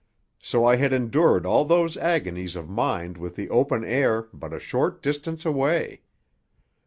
So I had endured all those agonies of mind with the open air but a short distance away!